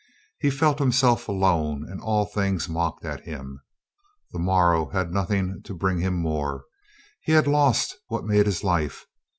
He felt himself alone and all things mocked at him. The morrow had nothing to bring him more. He had lost what made his life.